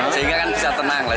sehingga kan bisa tenang lah